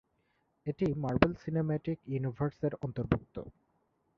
এটি Marvel cinematic ইউনিভার্সের অন্তর্ভুক্ত।